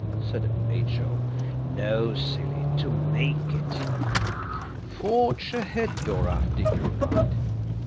said H.O. "No, silly! to make it." "Forge ahead, Dora," Dicky replied.